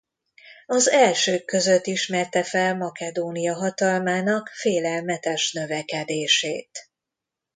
Az elsők között ismerte fel Makedónia hatalmának félelmetes növekedését.